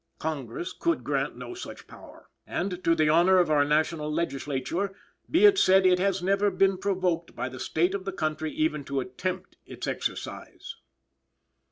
Congress could grant no such power; and to the honor of our national legislature be it said it has never been provoked by the state of the country even to attempt its exercise."